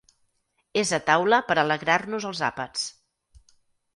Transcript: És a taula per alegrar-nos els àpats.